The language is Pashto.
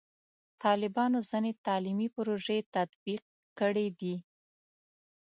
طالبانو ځینې تعلیمي پروژې تطبیق کړي دي.